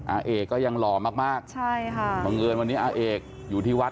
อาเอกก็ยังหล่อมากบังเงินวันนี้อาเอกอยู่ที่วัด